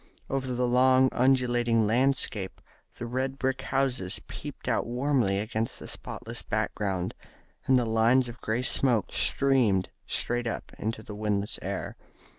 Over the long undulating landscape the red brick houses peeped out warmly against the spotless background, and the lines of grey smoke streamed straight up into the windless air.